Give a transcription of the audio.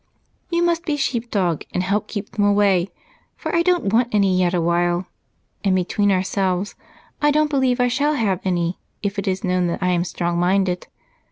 "You must be sheep dog and help keep them away, for I don't want any yet awhile and, between ourselves, I don't believe I shall have any if it is known that I am strong minded.